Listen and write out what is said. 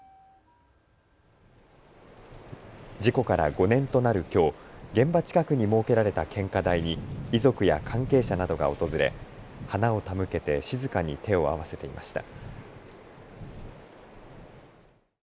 事故から５年となるきょう、現場近くに設けられた献花台に遺族や関係者などが訪れ花を手向けて静かに手を合わせていました。